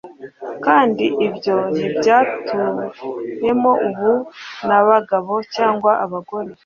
Kandi ibyo ntibyatuyemo ubu nabagabo cyangwa abagore